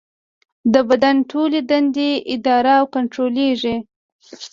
د بدن ټولې دندې اداره او کنټرولېږي.